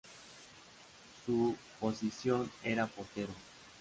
Su posición era portero.